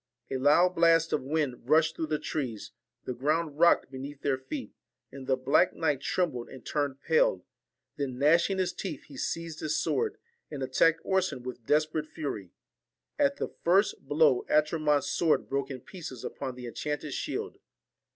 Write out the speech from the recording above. A loud blast of wind rushed through the trees, the ground rocked beneath their feet, and the black knight trembled and turned pale; then gnashing his teeth he seized his sword, and attacked Orson with desperate fury. At the first blow, Atramont's sword broke in pieces upon the enchanted shield.